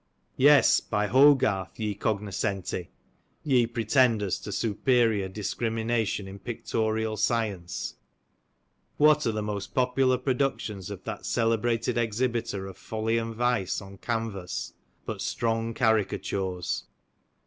Yes, by Hogarth, ye cognoscenti! ye pretenders to superior discrimination in pictorial science, what are the most popular productions of that celebrated exhibitor of folly and vice, on canvas, but strong caricatures